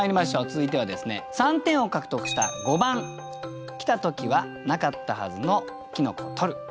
続いては３点を獲得した５番「来たときはなかったはずの茸採る」。